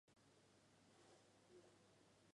汉朝置吴房县。